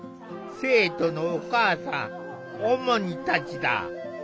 生徒のお母さんオモニたちだ。